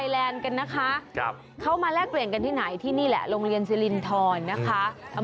แลกเปลี่ยนวัฒนธรรมนะคะ